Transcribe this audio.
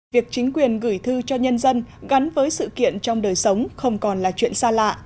việc chính quyền gửi thư cho nhân dân gắn với sự kiện trong đời sống không còn là chuyện xa lạ